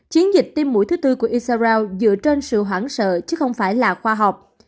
chiến dịch tiêm mũi thứ tư của isaraout dựa trên sự hoảng sợ chứ không phải là khoa học